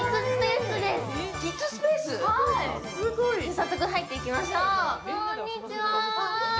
早速、入っていきましょうこんにちは。